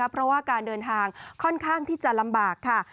เพราะว่าการเดินทางค่อนข้างที่จะลำบากค่ะ